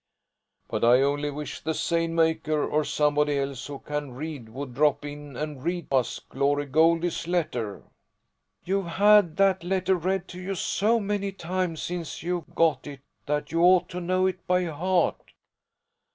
"But I only wish the seine maker, or somebody else who can read, would drop in and read us Glory Goldie's letter." "You've had that letter read to you so many times since you got it that you ought to know it by heart."